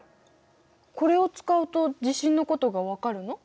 これを使うと地震のことが分かるの？